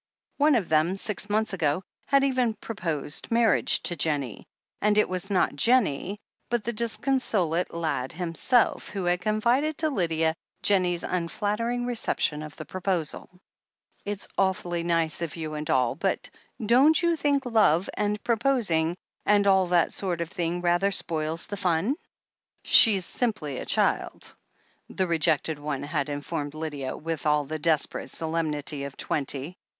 One of them, six months ago, had even proposed marriage to Jennie! And it was not Jennie, but the disconsolate lad himself, who had confided to Lydia Jennie's imflattering reception of the proposal : "It's awfully nice of you and all that, but don't you think love, and proposing, and all that sort of thing, rather spoils the fun ?" "She's simply a child," the rejected one had in formed Lydia, with all the desperate solemnity of twenty.